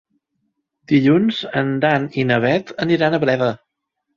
Dilluns en Dan i na Bet aniran a Breda.